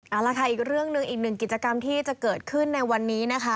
เอาละค่ะอีกเรื่องหนึ่งอีกหนึ่งกิจกรรมที่จะเกิดขึ้นในวันนี้นะคะ